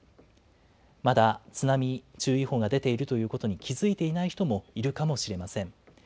まだ津波注意報が出ているということに気付いていない人もいるかもしれません。